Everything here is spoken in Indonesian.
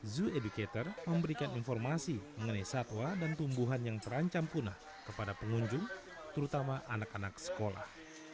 zoo educator memberikan informasi mengenai satwa dan tumbuhan yang terancam punah kepada pengunjung terutama anak anak sekolah